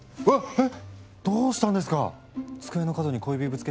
えっ？